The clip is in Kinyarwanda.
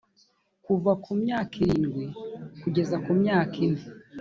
kuva ku myaka irindwi kugeza ku myaka ine